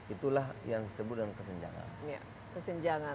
itulah yang disebut dengan kesenjangan